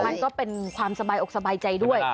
มันก็เป็นความสบายอกสบายใจด้วย